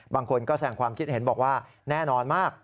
บางคนก็แสงความคิดเห็นบอกว่าแน่นอนมาก